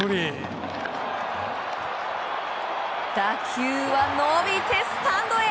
打球は伸びてスタンドへ！